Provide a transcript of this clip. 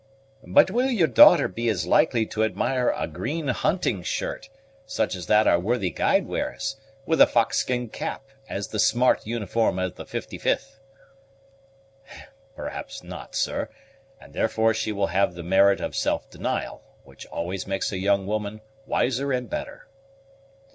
"But will your daughter be as likely to admire a green hunting shirt, such as that our worthy guide wears, with a fox skin cap, as the smart uniform of the 55th?" "Perhaps not, sir; and therefore she will have the merit of self denial, which always makes a young woman wiser and better."